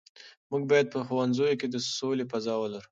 موږ باید په ښوونځي کې د سولې فضا ولرو.